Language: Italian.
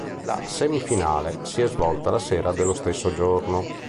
La semifinale si è svolta la sera dello stesso giorno.